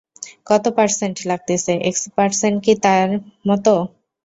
কত পার্সেন্ট লাগতেছে, এক পার্সেন্ট কী তার মত?